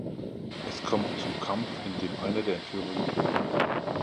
Es kommt zum Kampf, in dem einer der Entführer getötet wird.